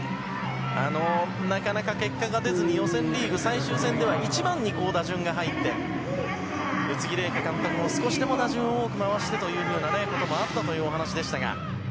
なかなか結果が出ずに、予選リーグ最終戦では、１番に打順が入って、宇津木麗華監督も少しでも打順を多く回してということもあったというお話でしたが。